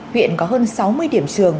huyện có hơn sáu mươi điểm trường